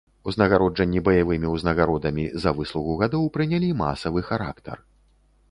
Узнагароджанні баявымі ўзнагародамі за выслугу гадоў прынялі масавы характар.